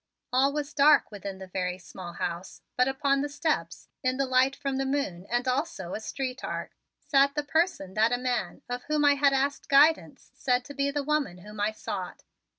All was dark within the very small house, but upon the steps, in the light from the moon and also a street arc, sat the person that a man, of whom I had asked guidance, said to be the woman whom I sought.